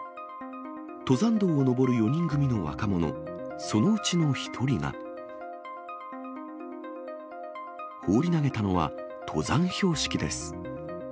登山道を登る４人組の若者、そのうちの一人が、放り投げたのは登山標識です。